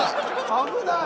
危ない。